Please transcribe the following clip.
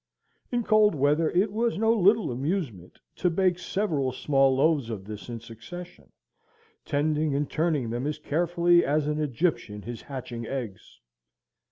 In cold weather it was no little amusement to bake several small loaves of this in succession, tending and turning them as carefully as an Egyptian his hatching eggs.